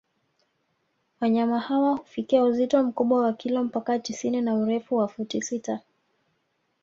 Wanyama hawa hufikia uzito mkubwa wa kilo mpaka tisini na urefu wa futi sita